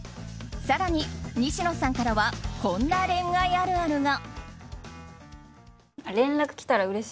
更に、西野さんからはこんな恋愛あるあるが。